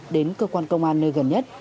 đến cơ quan công an nơi gần nhất